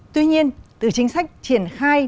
tuy nhiên từ chính sách triển khai